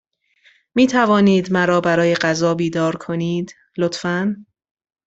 می توانید مرا برای غذا بیدار کنید، لطفا؟